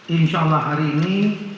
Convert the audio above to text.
insya allah hari ini